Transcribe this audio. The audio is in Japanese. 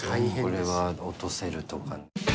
これは落とせるとか。